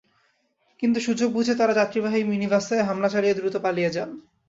কিন্তু সুযোগ বুঝে তাঁরা যাত্রীবাহী মিনিবাসে হামলা চালিয়ে দ্রুত পালিয়ে যান।